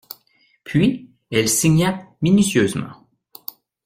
Puis elle signa minutieusement.